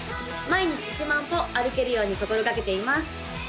毎日１万歩歩けるように心がけています